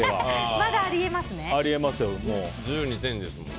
まだあり得ますね。